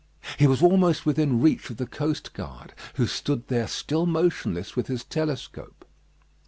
He was almost within reach of the coast guard, who stood there still motionless with his telescope.